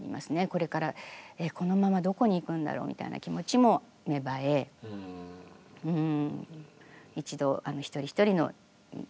これからこのままどこに行くんだろう？みたいな気持ちも芽生えはあ。